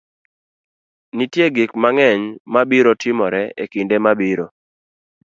Nitie gik mang'eny ma biro timore e kinde mabiro.